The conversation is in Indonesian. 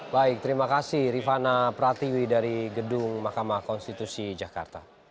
baik terima kasih rifana pratiwi dari gedung mahkamah konstitusi jakarta